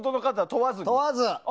問わず。